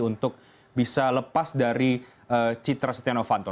untuk bisa lepas dari citra setia novanto